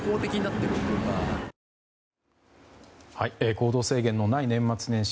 行動制限のない年末年始。